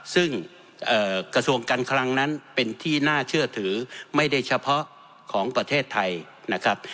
ซึ่งกระทรวงการคลังนั้นเป็นที่น่าเชื่อถือไม่ได้เฉพาะของประเทศไทยนะครับ